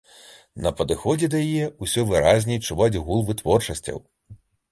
На падыходзе да яе ўсё выразней чуваць гул вытворчасцяў.